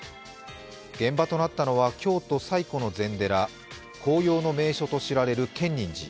現場となったのは京都最古の禅寺紅葉の名所で知られる建仁寺。